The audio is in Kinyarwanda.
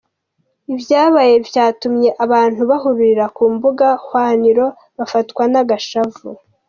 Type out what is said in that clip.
Ivyabaye vyatumye abantu bahurira ku mbuga hwaniro bafatwa n'agashavu.